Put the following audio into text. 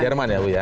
jerman ya budia